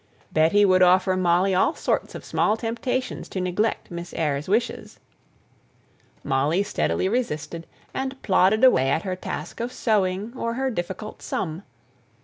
Betty would offer Molly all sorts of small temptations to neglect Miss Eyre's wishes; Molly steadily resisted, and plodded away at her task of sewing or her difficult sum.